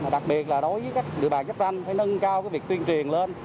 đặc biệt là đối với các địa bàn chấp tranh phải nâng cao việc tuyên truyền lên